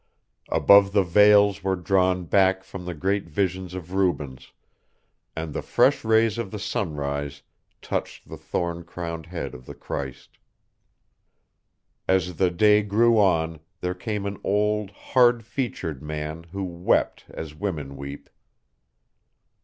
Above the veils were drawn back from the great visions of Rubens, and the fresh rays of the sunrise touched the thorn crowned head of the Christ. As the day grew on there came an old, hard featured man who wept as women weep.